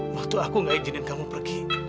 waktu aku gak izinin kamu pergi